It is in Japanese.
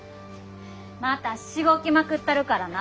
またシゴキまくったるからな。